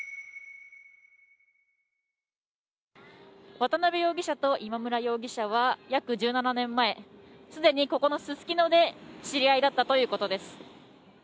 渡辺容疑者と今村容疑者は約１７年前、すでにここのすすきので、知り合いだったということです。